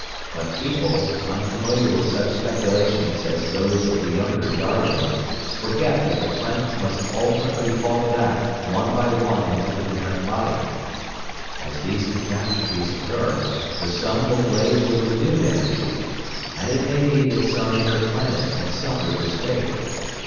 But people, unfamiliar with such speculations as those of the younger Darwin, forget that the planets must ultimately fall back one by one into the parent body. As these catastrophes occur, the sun will blaze with renewed energy; and it may be that some inner planet had suffered this fate.